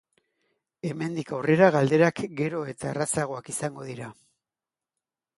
Hemendik aurrera galderak gero eta errazagoak izango dira.